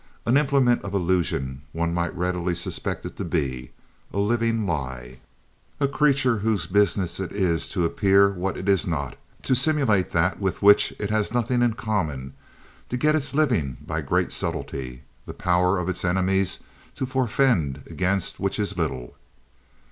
An implement of illusion one might readily suspect it to be, a living lie, a creature whose business it is to appear what it is not, to simulate that with which it has nothing in common, to get its living by great subtlety, the power of its enemies to forefend against which is little.